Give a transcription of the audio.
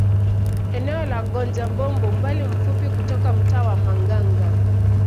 Eneo la Gonja Bombo umbali mfupi kutoka mtaa wa Manganga